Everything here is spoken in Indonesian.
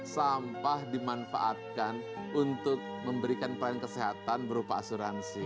sampah dimanfaatkan untuk memberikan pelayanan kesehatan berupa asuransi